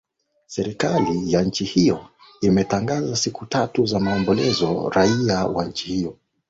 serikali ya nchi hiyo imetangaza siku tatu za maombolezo raia wa nchi hiyo